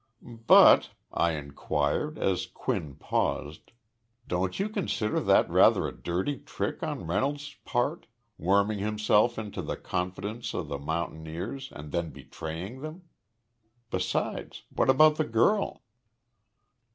"But," I inquired, as Quinn paused, "don't you consider that rather a dirty trick on Reynolds's part worming himself into the confidence of the mountaineers and then betraying them? Besides, what about the girl?"